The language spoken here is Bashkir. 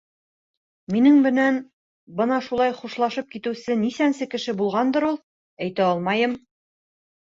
Минең менән бына шулай хушлашып китеүсе нисәнсе кеше булғандыр ул — әйтә алмайым.